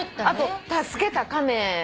あと助けた亀。